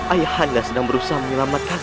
ayah hanya sedang berusaha menyelamatkan